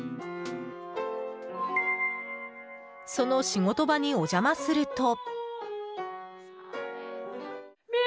その仕事場にお邪魔すると。